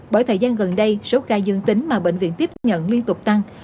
bởi thời gian gần đây số ca dương tính mà bệnh viện tiếp nhận liên tục tăng